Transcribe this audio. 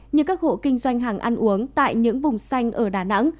như các hộ kinh doanh hàng ăn uống tại những vùng xanh ở đà nẵng